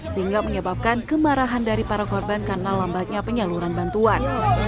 sehingga menyebabkan kemarahan dari para korban karena lambatnya penyaluran bantuan